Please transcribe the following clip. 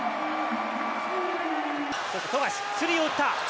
富樫、スリーを打った。